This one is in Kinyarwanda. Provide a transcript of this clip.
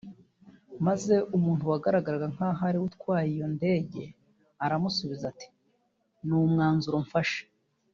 maze umuntu wagaragaraga nk’aho ari we utwaye iyo ndege aramusubiza ati ” ni umwanzuro mfashe